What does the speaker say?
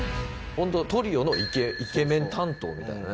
ホントトリオのイケメン担当みたいなね。